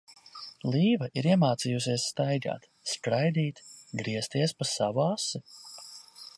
Līva ir iemācījusies staigāt, skraidīt, griezties pa savu asi.